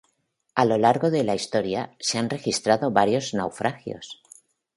A lo largo de la historia se han registrado varios naufragios.